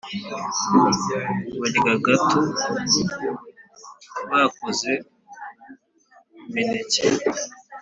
barya gato bakoze mu mineke